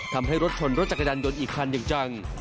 ทำให้รถชนรถจักรยานยนต์อีกคันอย่างจัง